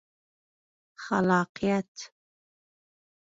خلاقیت